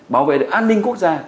bảo vệ được an ninh quốc gia